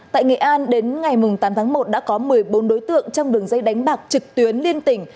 tại nghệ an đến ngày tám tháng một đã có một mươi bốn đối tượng trong đường dây đánh bạc trực tuyến liên tỉnh